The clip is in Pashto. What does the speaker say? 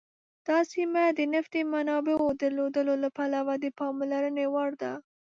دا سیمه د نفتي منابعو درلودلو له پلوه د پاملرنې وړ ده.